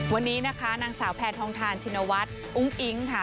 วันนี้นะคะนางสาวแพนทองทานชินวัฒน์อุ้งอิ๊งค่ะ